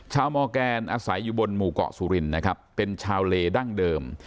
มอร์แกนอาศัยอยู่บนหมู่เกาะสุรินนะครับเป็นชาวเลดั้งเดิม